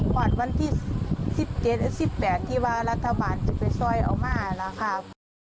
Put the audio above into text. กว่าวันที่๑๘ที่ว่ารัฐบาลจะไปช่วยออกมากแล้วครับ